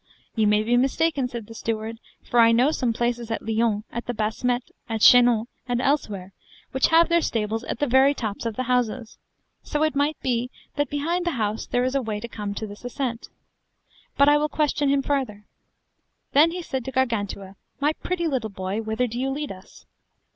You may be mistaken, said the steward, for I know some places at Lyons, at the Basmette, at Chaisnon, and elsewhere, which have their stables at the very tops of the houses: so it may be that behind the house there is a way to come to this ascent. But I will question with him further. Then said he to Gargantua, My pretty little boy, whither do you lead us?